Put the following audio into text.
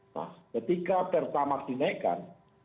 nah ketika pertamaks dinaikkan